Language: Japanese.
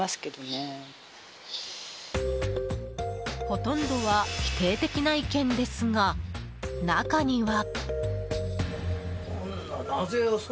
ほとんどは否定的な意見ですが中には。